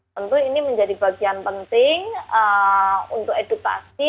tentu ini menjadi bagian penting untuk edukasi